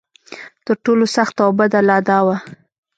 تر ټولو سخته او بده لا دا وه.